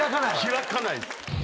開かないです。